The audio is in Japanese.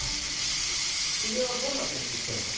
君はどんな研究してるの？